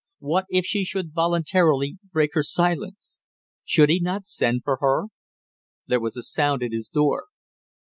What if she should voluntarily break her silence! Should he not send for her there was a sound at his door.